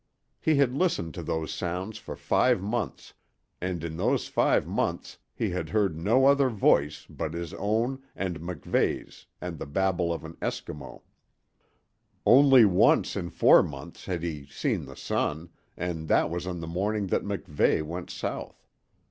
He had listened to those sounds for five months, and in those five months he had heard no other voice but his own and MacVeigh's and the babble of an Eskimo. Only once in four months had he seen the sun, and that was on the morning that MacVeigh went south.